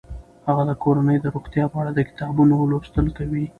هغه د کورنۍ د روغتیا په اړه د کتابونو لوستل کوي.